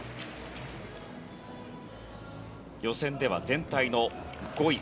予選では全体の５位。